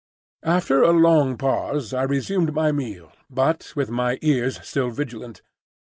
After a long pause I resumed my meal, but with my ears still vigilant.